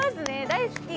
大好き。